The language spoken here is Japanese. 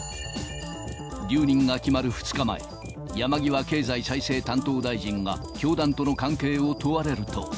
留任が決まる２日前、山際経済再生担当大臣は、教団との関係を問われると。